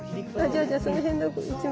じゃあその辺の一枚。